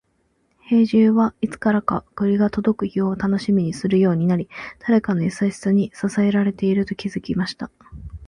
兵十は、いつからか栗が届く日を楽しみにするようになり、誰かの優しさに支えられていると気づきました。